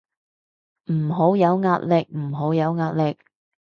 唔好有壓力，唔好有壓力